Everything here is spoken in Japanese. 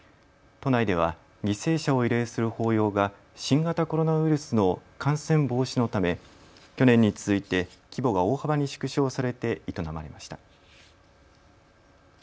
都内では犠牲者を慰霊する法要が新型コロナウイルスの感染防止のため去年に続いて規模が大幅に縮小されて営まれました。